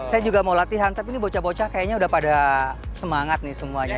saya juga mau latihan tapi ini bocah bocah kayaknya udah pada semangat nih semuanya